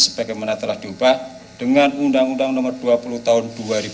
sebagaimana telah diubah dengan undang undang nomor dua puluh tahun dua ribu dua